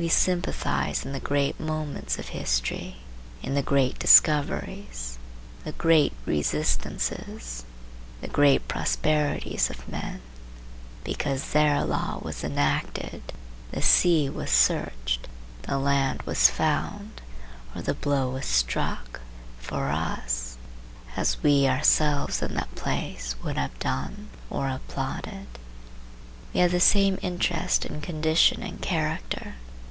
We sympathize in the great moments of history, in the great discoveries, the great resistances, the great prosperities of men;—because there law was enacted, the sea was searched, the land was found, or the blow was struck, for us, as we ourselves in that place would have done or applauded. We have the same interest in condition and character.